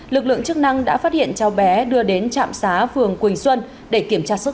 lực lượng chức năng đã phát hiện cháu bé đưa đến trạm xá phường quỳnh xuân để kiểm tra sức